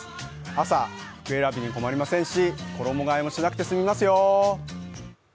朝、服選びに困りませんし、衣替えもしなくて済みますよ。